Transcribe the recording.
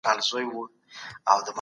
هغه د دښمن په اړه هم د عدل خبره کوي.